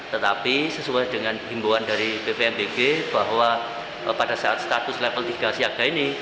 tetapi sesuai dengan himbuan dari bvmbg bahwa pada saat status level tiga siaga ini